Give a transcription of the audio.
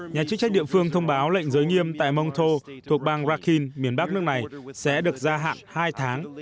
nhà chức trách địa phương thông báo lệnh giới nghiêm tại monto thuộc bang rakhin miền bắc nước này sẽ được gia hạn hai tháng